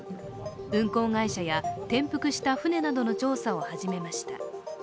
運航会社や転覆した舟などの調査を始めました。